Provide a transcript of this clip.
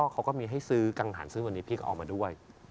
เขาก็มีให้ซื้อกังหารซื้อวันนี้พี่ก็เอามาด้วย